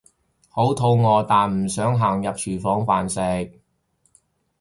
好肚餓但唔想行入廚房飯食